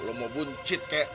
lu mau buncit kek